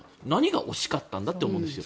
何が惜しかったのかと。